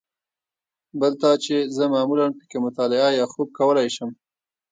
بل دا چې زه معمولاً په کې مطالعه یا خوب کولای شم.